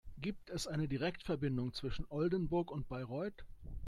Gibt es eine Direktverbindung zwischen Oldenburg und Bayreuth?